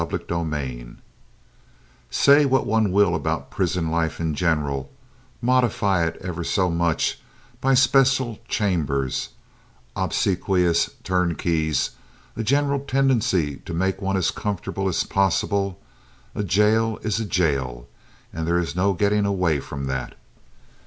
Chapter XLV Say what one will about prison life in general, modify it ever so much by special chambers, obsequious turnkeys, a general tendency to make one as comfortable as possible, a jail is a jail, and there is no getting away from that.